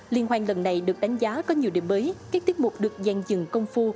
liên hoàng lần này được đánh giá có nhiều điểm mới các tiết mục được dàn dựng công phu